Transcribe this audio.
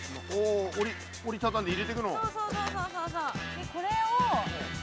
でこれを。